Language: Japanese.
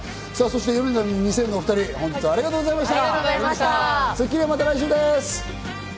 ヨネダ２０００のお２人、本日はありがとうございました。